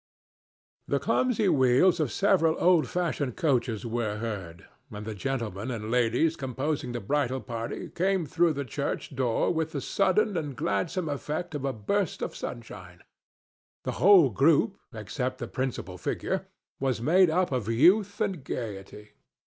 The clumsy wheels of several old fashioned coaches were heard, and the gentlemen and ladies composing the bridal party came through the church door with the sudden and gladsome effect of a burst of sunshine. The whole group, except the principal figure, was made up of youth and gayety.